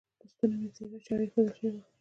پر ستوني مو تیره چاړه ایښودل شوې وه.